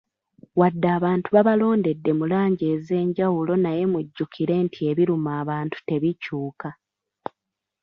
Wadde abantu babalondedde mu langi ez'enjawulo naye mujjukire nti ebiruma abantu tebikyuuka.